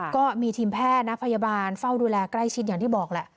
ก็มีทีมแพทย์และพยาบาลเฝ้าดูแลใกล้ชิดอย่างที่บอกแหละ